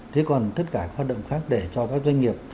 thế còn tất cả các hoạt động khác để cho các doanh nghiệp